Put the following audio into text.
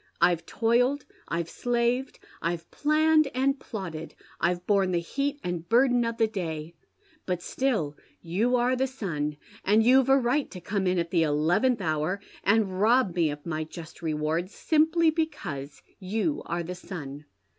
I've toiled, I've slaved, I've planned and plotted, I've borne the heat and burden of the day ; but still you are the son, and you've a right to come in at the eleventh hou. and rob me of my just reward, simply because you are the son.'